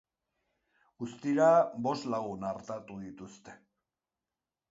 Guztira, bost lagun artatu dituzte.